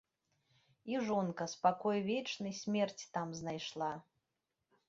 І жонка, спакой вечны, смерць там знайшла.